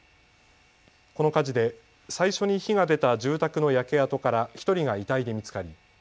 この火事で最初に火が出た住宅の焼け跡から１人が遺体で見つかり